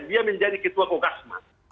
dia menjadi ketua kogasman